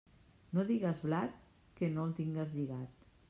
No digues blat que no el tingues lligat.